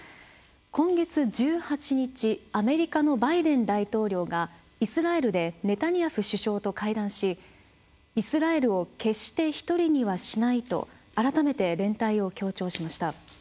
今月１８日アメリカのバイデン大統領がイスラエルでネタニヤフ首相と会談しイスラエルを決して１人にはしないと改めて連帯を強調しました。